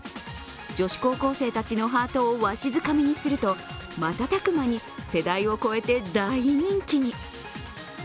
女子高校生たちのハートをわしづかみにすると瞬く間に世代を超えて大人気に。